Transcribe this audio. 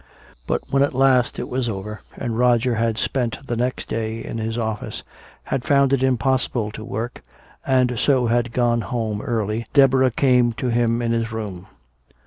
But when at last it was over, and Roger had spent the next day in his office, had found it impossible to work and so had gone home early, Deborah came to him in his room.